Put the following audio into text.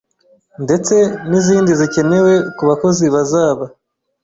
ndetse n’izindi zikenewe ku bakozi bazaba